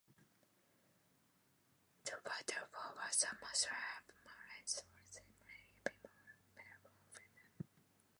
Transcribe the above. The fertile flowers are mostly hermaphrodites, or they may be functionally male or female.